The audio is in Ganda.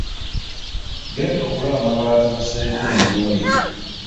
Genda ogule amabaati basereke enju yo.